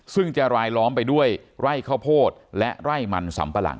ซึ่งจะรายล้อมไปด้วยไร่ข้าวโพดและไร่มันสำปะหลัง